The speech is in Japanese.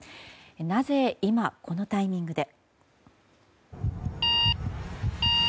なぜ、今このタイミングで。